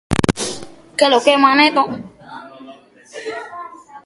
Por no escuchar sus glorias